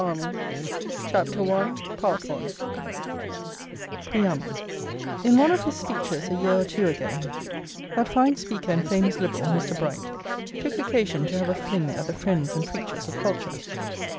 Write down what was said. [PREAMBLE] CULTURE AND ANARCHY In one of his speeches a year or two ago, that fine speaker and famous Liberal, Mr. Bright, took occasion to have a fling at the friends and preachers of culture.